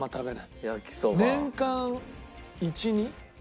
年間１２？